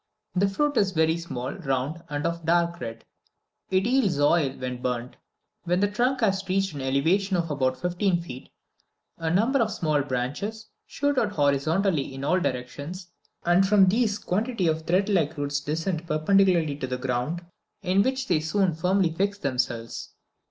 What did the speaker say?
The fruit is very small, round, and of a dark red; it yields oil when burnt. When the trunk has reached an elevation of about fifteen feet, a number of small branches shoot out horizontally in all directions, and from these quantity of threadlike roots descend perpendicularly to the ground, in which they soon firmly fix themselves.